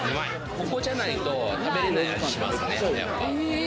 ここじゃないと食べれない味しますね。